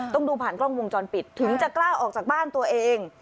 ต้องดูผ่านกล้องวงจรปิดถึงจะกล้าออกจากบ้านตัวเอง